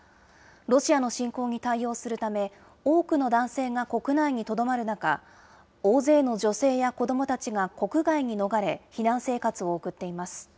ロシアの侵攻に対応するため、多くの男性が国内にとどまる中、大勢の女性や子どもたちが国外に逃れ、避難生活を送っています。